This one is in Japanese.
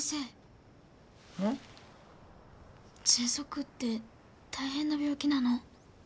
ぜんそくって大変な病気なの？